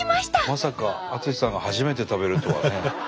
まさか淳さんが初めて食べるとはね。